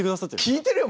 聴いてるよ！